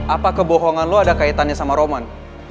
apa kebohongan lo ada kaitannya sama roman